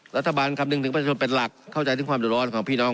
รัฐบาลคำหนึ่งถึงประชุนเป็นหลักเข้าใจด้วยความจุดร้อนของพี่น้อง